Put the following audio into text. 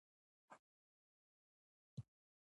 شیطان ورباندې د قتل امرونه کوي.